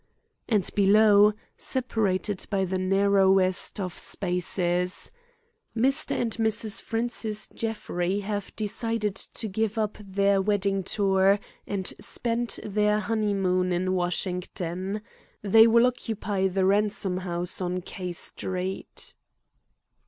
And below, separated by the narrowest of spaces: "Mr. and Mrs. Francis Jeffrey have decided to give up their wedding tour and spend their honeymoon in Washington. They will occupy the Ransome house on K Street."